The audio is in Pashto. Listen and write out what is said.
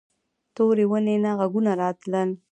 تورې ونې نه غږونه راتلل.